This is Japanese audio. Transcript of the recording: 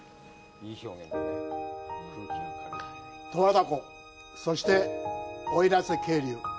十和田湖、そして奥入瀬渓流。